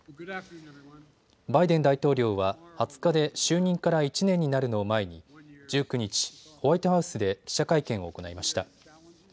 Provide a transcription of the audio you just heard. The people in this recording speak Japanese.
バイデン大統領は２０日で就任から１年になるのを前に１９日、ホワイトハウスで記者会見を行いました。